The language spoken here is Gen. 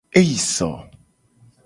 Eyi so.